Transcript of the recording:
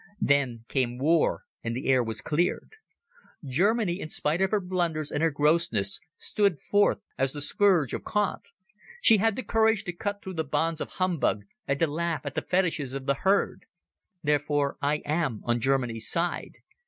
Then came war, and the air was cleared. Germany, in spite of her blunders and her grossness, stood forth as the scourge of cant. She had the courage to cut through the bonds of humbug and to laugh at the fetishes of the herd. Therefore I am on Germany's side.